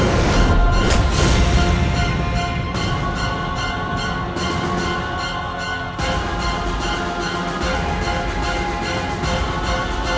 sudah kau sudah dinasai di tanganku